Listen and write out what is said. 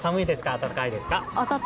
暖かいです。